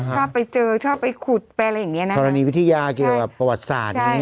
อ่าฮะชอบไปเจอชอบไปขุดแปลอะไรอย่างเงี้ยน่ะฐรณีวิทยาเกี่ยวกับประวัติศาสตร์อย่างเงี้ยน่ะ